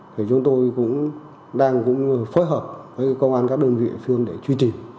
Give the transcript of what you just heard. thì chúng tôi cũng đang phối hợp với công an các đơn vị địa phương để truy tìm